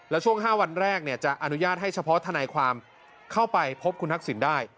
แล้วช่วง๕วันแรกจะอนุญาตให้เฉพาะทนายความเข้าไปพบคุณทักษิณได้